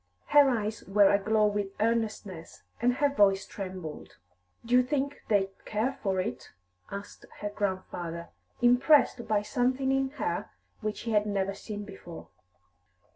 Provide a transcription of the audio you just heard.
Her eyes were aglow with earnestness, and her voice trembled. "Do you think they'd care for it?" asked her grandfather, impressed by something in her which he had never seen before.